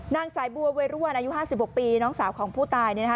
นางสายบัวเวรุวันอายุ๕๖ปีน้องสาวของผู้ตายเนี่ยนะคะ